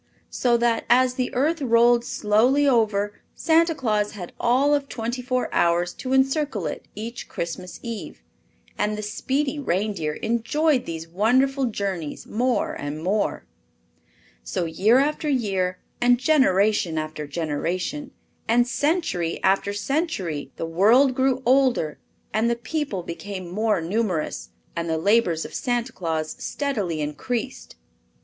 So that as the earth rolled slowly over Santa Claus had all of twenty four hours to encircle it each Christmas Eve, and the speedy reindeer enjoyed these wonderful journeys more and more. So year after year, and generation after generation, and century after century, the world grew older and the people became more numerous and the labors of Santa Claus steadily increased.